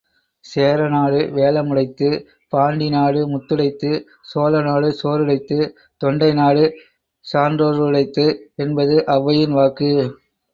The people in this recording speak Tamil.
சேரநாடு வேழமுடைத்து, பாண்டி நாடு முத்துடைத்து, சோழநாடு சோறுடைத்து, தொண்டை நாடு சான்றோருடைத்து என்பது ஒளவையின் வாக்கு.